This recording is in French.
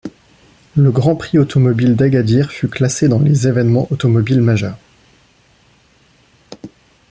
Le Grand Prix Automobile d'Agadir fut classé dans les évènements automobiles majeurs.